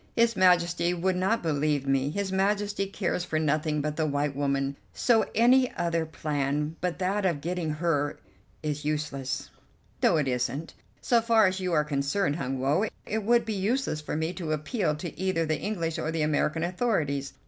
"His Majesty would not believe me; his Majesty cares for nothing but the white woman; so any other plan but that of getting her is useless." "No, it isn't. So far as you are concerned, Hun Woe, it would be useless for me to appeal to either the English or the American authorities.